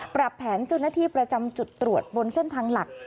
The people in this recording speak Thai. ปรับแผนเจ้าหน้าที่ประจำจุดตรวจบนเส้นทางหลัก